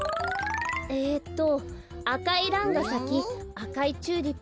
えっと「あかいランがさきあかいチューリップがさいた